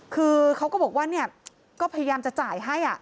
คือเขาก็บอกว่าเนี่ยก็พยายามจะจ่ายให้